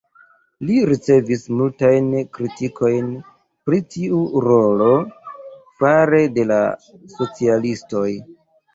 Li ricevis multajn kritikojn pri tiu rolo fare de la socialistoj.